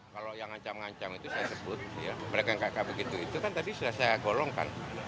kalau yang ngancam ngancam itu saya sebut ya mereka yang kakak begitu itu kan tadi sudah saya golongkan